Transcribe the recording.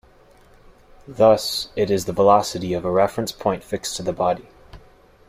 Thus, it is the velocity of a reference point fixed to the body.